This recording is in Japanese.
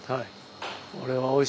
はい。